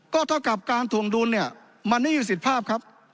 ก็เท่ากับการถวงดุลเนี่ยมันไม่มีสิทธิภาพครับ